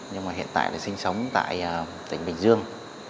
nhưng mà hiện tại thì sinh sống tại tỉnh bình dương